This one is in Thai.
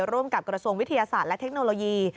ร่วมกับกระทรวงวิทยาศาสตร์และเทคโนโลยี